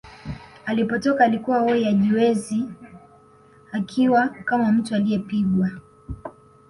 Alipotoka alikuwa hoi hajiwezi akiwa kama mtu aliyepigwa